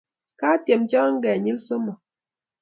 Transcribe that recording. Katyem cho kinyel somok